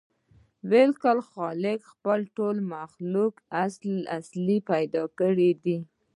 بلکې خالق خپل ټول مخلوق اصيل پيدا کړي دي.